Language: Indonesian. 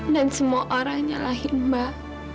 dan semua orang nyalahin mbak